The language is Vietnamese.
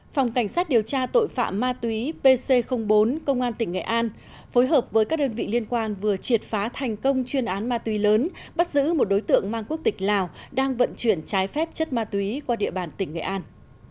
phòng cảnh sát điều tra tội phạm ma túy pc bốn công an tỉnh nghệ an phối hợp với các đơn vị liên quan vừa triệt phá thành công chuyên án ma túy lớn bắt giữ một đối tượng mang quốc tịch lào đang vận chuyển trái phép chất ma túy qua địa bàn tỉnh nghệ an